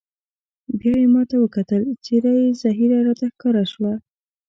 بیا یې ما ته وکتل، څېره یې زهېره راته ښکاره شوه.